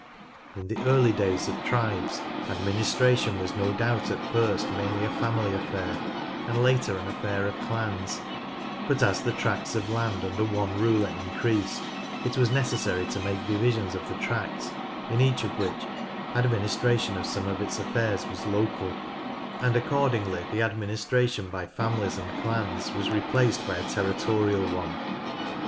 In the early days of tribes administration was no doubt at first mainly a family affair and later an affair of clans, but as the tracts of land under one ruler increased, it was necessary to make divisions of the tracts, in each of which ADMINISTRATION AND DIVISIONS 117 administration of some or its affairs was local, and accord ingly the administration by families and clans was replaced by a territorial one.